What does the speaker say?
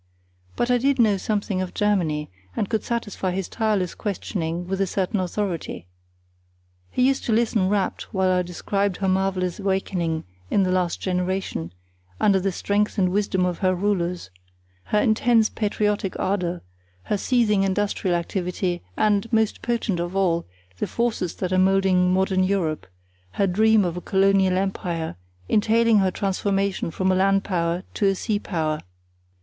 But I did know something of Germany, and could satisfy his tireless questioning with a certain authority. He used to listen rapt while I described her marvellous awakening in the last generation, under the strength and wisdom of her rulers; her intense patriotic ardour; her seething industrial activity, and, most potent of all, the forces that are moulding modern Europe, her dream of a colonial empire, entailing her transformation from a land power to a sea power.